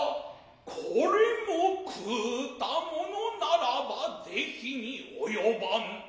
これも食うたものならばぜひに及ばぬ。